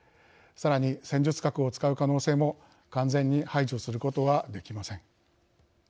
さらに戦術核を使う可能性も完全に排除することはできません。